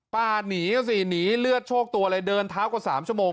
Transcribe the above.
ป้าหนีก็สิหนีเลือดโชคตัวเลยเดินเท้ากว่า๓ชั่วโมง